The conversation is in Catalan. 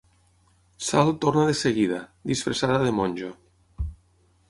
Sal torna de seguida, disfressada de monjo.